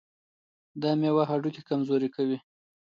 دا مېوه د هډوکو کمزوري کموي.